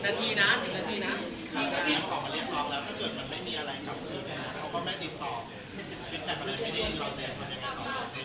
๑๘ประโยชน์ไม่ได้อีก๑๒เซน